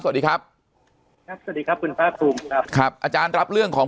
สวัสดีครับครับสวัสดีครับคุณภาคภูมิครับครับอาจารย์รับเรื่องของ